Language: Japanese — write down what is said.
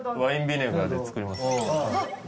ワインビネガーで作りますか。